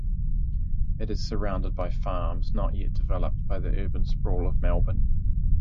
It is surrounded by farms not yet developed by the urban sprawl of Melbourne.